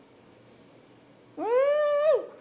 うん！